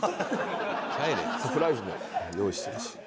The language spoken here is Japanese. サプライズも用意してるし。